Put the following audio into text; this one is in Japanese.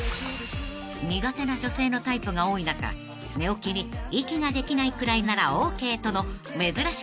［苦手な女性のタイプが多い中寝起きに息ができないくらいならＯＫとの珍し